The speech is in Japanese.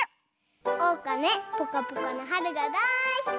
おうかねぽかぽかのはるがだいすき！